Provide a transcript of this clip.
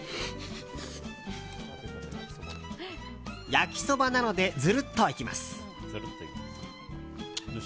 焼きそばなのでズルッといきます。